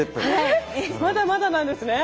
まだまだなんですね。